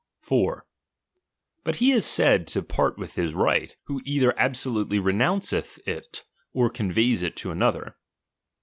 4. But he is said to part with his right, who « either absolutely renounceth it, or conveys it to wi another.